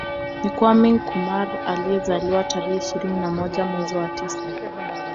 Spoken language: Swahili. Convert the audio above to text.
Ni Kwame Nkrumah aliyezaliwa tarehe ishirini na moja mwezi wa tisa